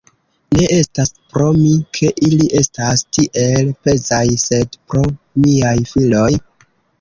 Ne estas pro mi, ke ili estas tiel pezaj, sed pro miaj filoj.